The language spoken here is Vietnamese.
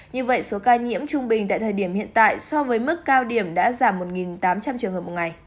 như vậy số ca nhiễm trung bình tại thời điểm hiện tại so với mức cao điểm đã giảm một tám trăm linh trường hợp một ngày